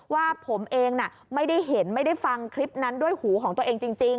ว่าผมเองไม่ได้เห็นไม่ได้ฟังคลิปนั้นด้วยหูของตัวเองจริง